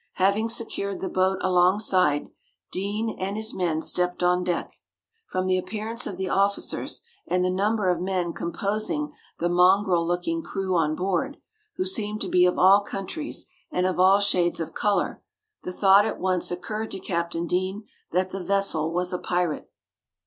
Having secured the boat alongside, Deane and his men stepped on deck. From the appearance of the officers and the number of men composing the mongrel looking crew on board, who seemed to be of all countries and of all shades of colour, the thought at once occurred to Captain Deane that the vessel was a pirate.